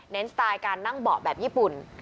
สไตล์การนั่งเบาะแบบญี่ปุ่น